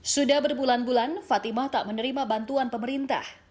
sudah berbulan bulan fatimah tak menerima bantuan pemerintah